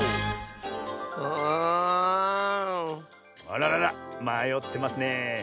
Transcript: あらららまよってますねえ。